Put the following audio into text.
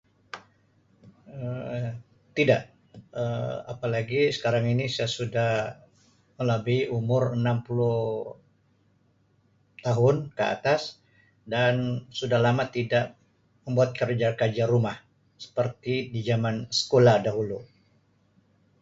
Um Tidak Um apalagi sekarang ini saya sudah malabih umur 60 tahun ke atas dan sudah lama tidak membuat kerja-kerja rumah seperti di jaman sekolah dahulu.